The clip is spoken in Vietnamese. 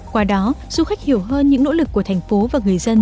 qua đó du khách hiểu hơn những nỗ lực của thành phố và người dân